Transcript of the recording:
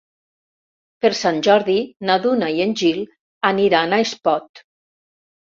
Per Sant Jordi na Duna i en Gil aniran a Espot.